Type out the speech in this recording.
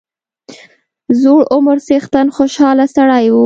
زوړ عمر څښتن خوشاله سړی وو.